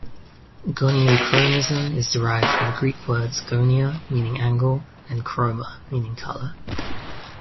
"Goniochromism" is derived from the Greek words "gonia", meaning "angle", and "chroma", meaning "colour".